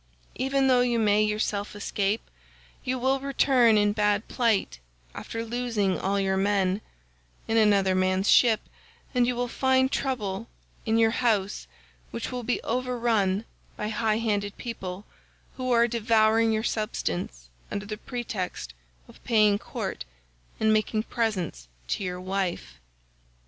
Even though you may yourself escape, you will return in bad plight after losing all your men, [in another man's ship, and you will find trouble in your house, which will be overrun by high handed people, who are devouring your substance under the pretext of paying court and making presents to your wife.